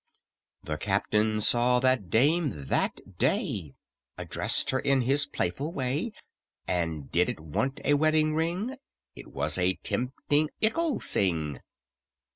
The Captain saw the dame that day— Addressed her in his playful way— "And did it want a wedding ring? It was a tempting ickle sing!